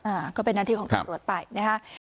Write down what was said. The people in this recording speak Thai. อ่าก็เป็นหน้าที่ของตำรวจไปนะฮะ